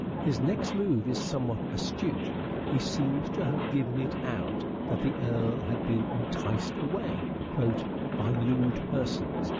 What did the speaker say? His next move is somewhat astute : he seems to have given it out that the Earl had been enticed away " by lewd persons."